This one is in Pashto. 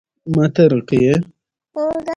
اوړي د افغانستان د بشري فرهنګ برخه ده.